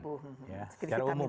ya secara umum